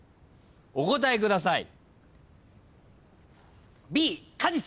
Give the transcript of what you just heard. お答えください。